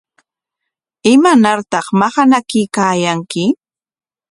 ¿Imanartaq maqanakuykaayanki?